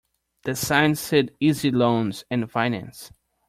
The sign said E Z Loans and Finance.